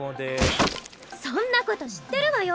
そんな事知ってるわよ！